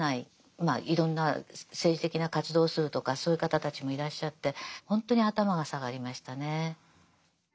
まあいろんな政治的な活動をするとかそういう方たちもいらっしゃってほんとに頭が下がりましたね。